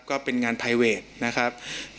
ก็เป็นงานไพเวทนะครับ